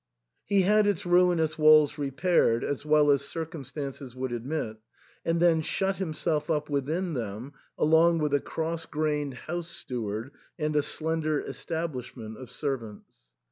He had its ruinous walls repaired as well as circumstances would admit, and then shut himself up within them along with a cross grained house steward and a slender establishment of servants.